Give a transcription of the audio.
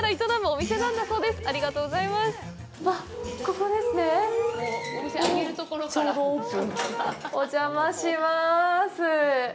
お邪魔しまーす。